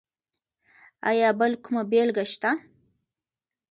ایا بل کومه بېلګه شته؟